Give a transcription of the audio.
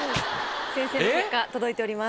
先生の結果届いております。